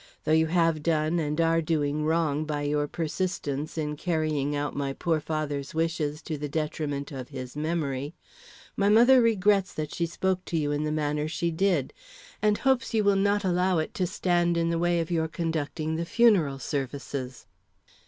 Though you have done and are doing wrong by your persistence in carrying out my poor father's wishes to the detriment of his memory, my mother regrets that she spoke to you in the manner she did, and hopes you will not allow it to stand in the way of your conducting the funeral services."